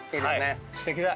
すてきだ。